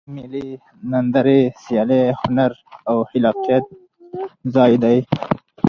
مېلې د نندارې، سیالۍ، هنر او خلاقیت ځای دئ.